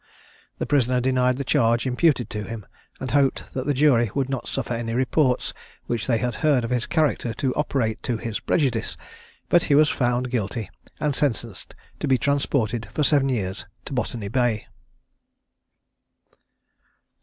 The prisoner denied the charge imputed to him, and hoped that the jury would not suffer any reports which they had heard of his character to operate to his prejudice; but he was found guilty, and sentenced to be transported for seven years to Botany Bay.